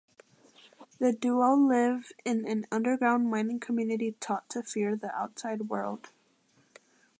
The duo live in an underground mining community taught to fear the outside world.